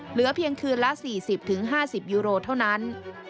เหลือเพียงคืนละ๔๐๕๐ยูโรเท่านั้น